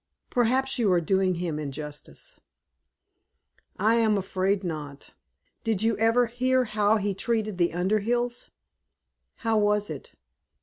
"Perhaps you are doing him injustice." "I am afraid not. Did you never hear how he treated the Underhills?" "How was it?"